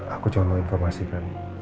aku cuma mau informasikan